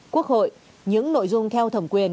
quốc hội những nội dung theo thẩm quyền